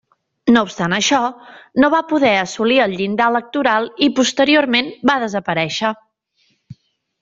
No obstant això, no va poder assolir el llindar electoral i posteriorment va desaparèixer.